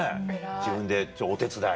自分でお手伝い。